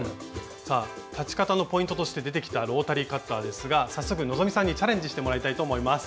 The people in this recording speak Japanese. さあ裁ち方のポイントとして出てきたロータリーカッターですが早速希さんにチャレンジしてもらいたいと思います。